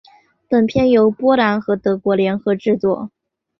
本片由波兰和德国联合制作。